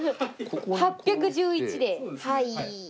８１１ではい。